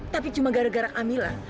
tapi cuma gara gara amila